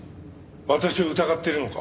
私を疑っているのか？